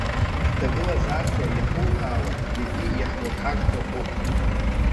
Ҳҭагылазаашьа иахуҳәаауа зегьы иаҳурҳар сҭахуп…